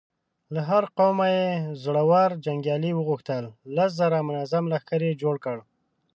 له هر قومه يې زړور جنګيالي وغوښتل، لس زره منظم لښکر يې جوړ کړ.